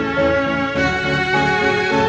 gimana kita akan menikmati rena